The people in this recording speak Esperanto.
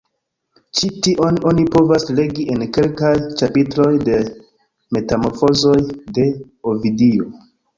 Ĉi tion oni povas legi en kelkaj ĉapitroj de Metamorfozoj de Ovidio.